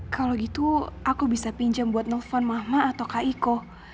kalau gitu aku bisa pinjam buat nelfon mama atau kak iko